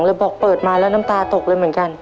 บอกเปิดมาแล้วน้ำตาตกเลยเหมือนกัน